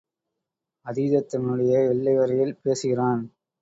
அதீதத்தினுடைய எல்லை வரையில் பேசுகிறான்!